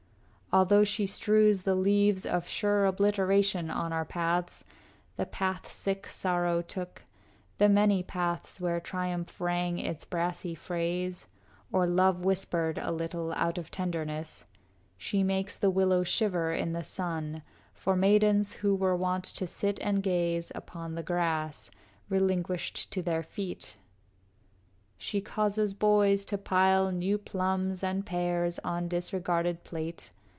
Although she strews the leaves Of sure obliteration on our paths, The path sick sorrow took, the many paths Where triumph rang its brassy phrase, or love Whispered a little out of tenderness, She makes the willow shiver in the sun For maidens who were wont to sit and gaze Upon the grass, relinquished to their feet. She causes boys to pile new plums and pears On disregarded plate.